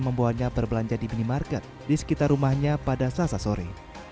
membawanya berbelanja di minimarket di sekitar rumahnya pada sasa sore